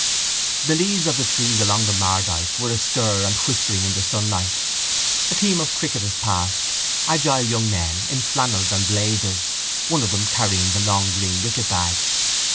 The leaves of the trees along the Mardyke were astir and whispering in the sunlight. A team of cricketers passed, agile young men in flannels and blazers, one of them carrying the long green wicketbag.